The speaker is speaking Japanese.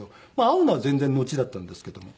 会うのは全然のちだったんですけども。